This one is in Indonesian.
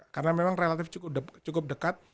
karena memang relatif cukup dekat